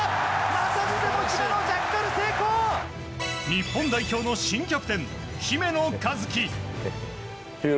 日本代表の新キャプテン姫野和樹。